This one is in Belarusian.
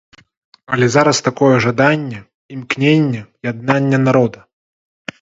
Але зараз такое жаданне, імкненне, яднанне народа.